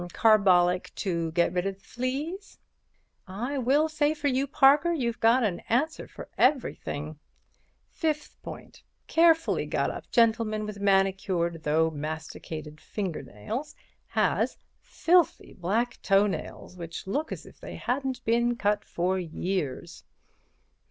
"Carbolic to get rid of the fleas." "I will say for you, Parker, you've an answer for everything. Fifth point: Carefully got up gentleman, with manicured, though masticated, finger nails, has filthy black toe nails which look as if they hadn't been cut for years."